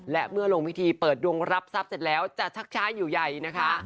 และเมื่อลงพิธีเปิดดวงรับทรัพย์เสร็จแล้วจะชักช้าอยู่ใหญ่นะคะ